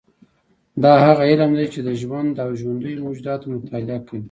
دا هغه علم دی چې د ژوند او ژوندیو موجوداتو مطالعه کوي